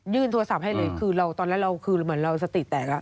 โทรศัพท์ให้เลยคือเราตอนนั้นเราคือเหมือนเราสติแตก